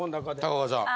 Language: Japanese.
高岡さん。